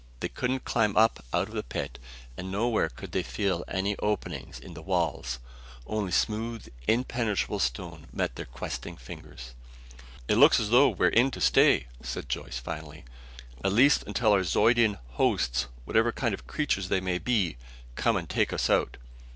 They couldn't climb up out of the pit, and nowhere could they feel any openings in the walls. Only smooth, impenetrable stone met their questing fingers. "It looks as though we're in to stay," said Joyce finally. "At least until our Zeudian hosts, whatever kind of creatures they may be, come and take us out.